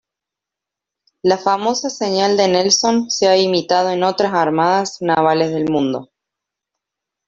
La famosa señal de Nelson se ha imitado en otras armadas navales del mundo.